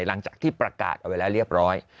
หลังจากที่ประกาศเอาไว้แล้วเรียบร้อย